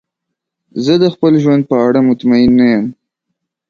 زه د خپل ژوند په اړه مطمئن نه یم.